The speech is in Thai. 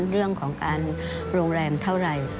เรื่องของการโรงแรมเท่าไหร่